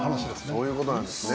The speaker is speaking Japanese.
そういう事なんですね。